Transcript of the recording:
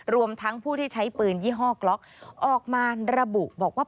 รวมทั้งผู้ที่ใช้ปืนยี่ห้อกล็อกออกมาระบุบอกว่า